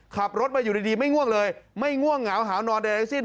ขับรถมาอยู่ดีไม่ง่วงเลยไม่ง่วงเหงาหาวนอนใดทั้งสิ้น